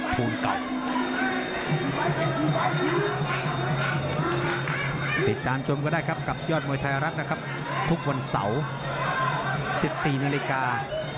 ชมก็ได้ครับกับยอดมวยไทยรัฐนะครับทุกวันเสาร์๑๔นาฬิกา